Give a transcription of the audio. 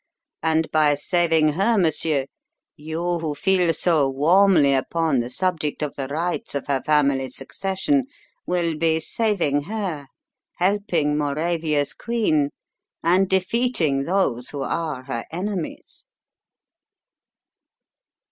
And by saving her, monsieur, you who feel so warmly upon the subject of the rights of her family's succession, will be saving her, helping Mauravania's queen, and defeating those who are her enemies."